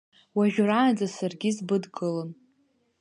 Уажәраанӡа саргьы сбыдгылон.